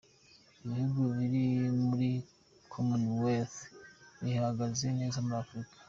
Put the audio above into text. Ibihugu biri muri komoniwelisi bihagaze neza muri Afurika.